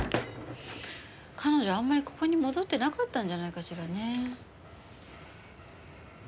彼女あんまりここに戻ってなかったんじゃないかしらね。